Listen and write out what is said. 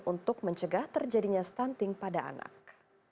untuk mencegah terjadinya stunting pada anak